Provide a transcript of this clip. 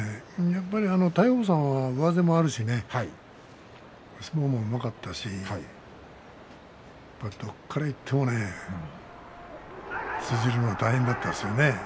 やっぱり大鵬さんは上背もあるし相撲もうまかったしどこからいってもね通じるのは大変だったよね。